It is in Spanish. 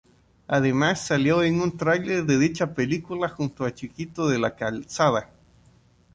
Además salió en un tráiler de dicha película junto a Chiquito de la Calzada.